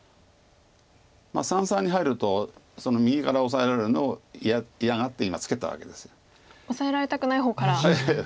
三々に入るとその右からオサえられるのを嫌がって今ツケたわけです。オサえられたくない方からツケた。